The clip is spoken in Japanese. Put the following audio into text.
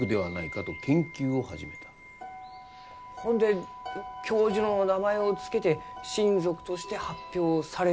ほんで教授の名前を付けて新属として発表されようと？